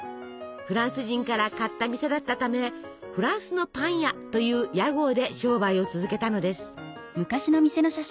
フランス人から買った店だったため「フランスのパン屋」という屋号で商売を続けたのです。